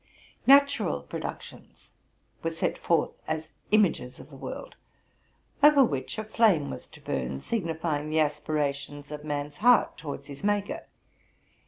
Natural produc tions were set forth as images of the world, over which a flame was to burn, signifying the aspirations of man's heart towards his Maker.